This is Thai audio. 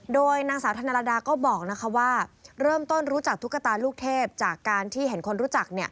โดยนางสาวธนรดาก็บอกว่าเริ่มต้นรู้จักตุ๊กตาลูกเทพจากการที่เห็นคนรู้จัก